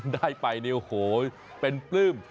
ได้ไปเนี่ยโอ้โหเป็นปลื้ม